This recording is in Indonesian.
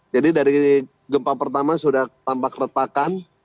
jadi dari gempa pertama sudah tampak retakan